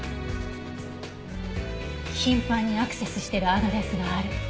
頻繁にアクセスしてるアドレスがある。